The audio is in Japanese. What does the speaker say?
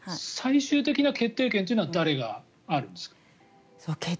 最終的な決定権は誰があるんですか？